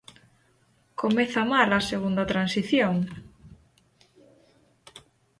Comeza mal a segunda transición...